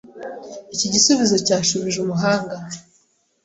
Iki gisubizo cyashubije umuhanga.